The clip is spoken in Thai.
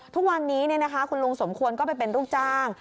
ทุกวันนี้คุณลุงสมควรก็ไปเป็นลูกจ้าง